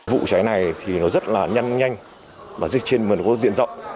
vụ cháy này thì nó rất là nhanh nhanh và diện rộng